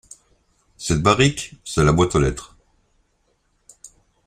Cette barrique, c’est la boîte aux lettres.